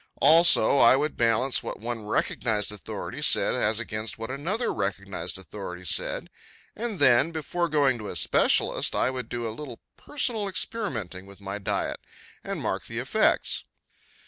Also, I would balance what one recognized authority said as against what another recognized authority said, and then, before going to a specialist, I would do a little personal experimenting with my diet and mark the effects.